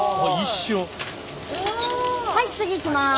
はい次行きます。